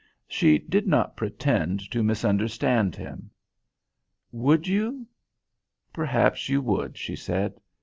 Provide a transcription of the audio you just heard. She did not pretend to misunderstand him. "Would you? Perhaps you would," she said.